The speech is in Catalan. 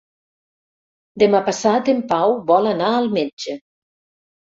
Demà passat en Pau vol anar al metge.